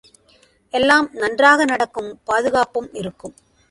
எல்லாம் நன்றாக நடக்கும் பாதுகாப்பும் இருக்கும்.